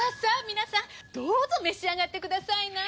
皆さんどうぞ召し上がってくださいな！